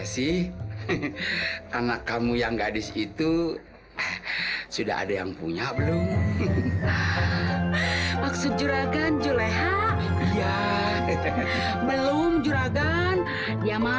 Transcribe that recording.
sih anak kamu yang gadis itu sudah ada yang punya belum maksud juragan juleha ya belum juragan ya mah